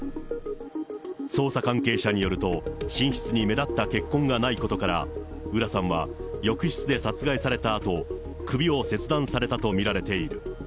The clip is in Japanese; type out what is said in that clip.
捜査関係者によると、寝室に目立った血痕がないことから、浦さんは浴室で殺害されたあと、首を切断されたと見られている。